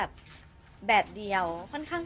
ขอบคุณครับ